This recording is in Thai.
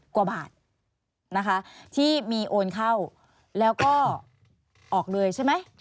กว่าบาทนะคะที่มีโอนเข้าแล้วก็ออกเลยใช่ไหม